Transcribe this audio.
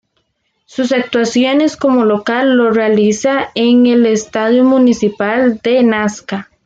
Sus actuaciones como local lo realiza en el Estadio Municipal de Nasca.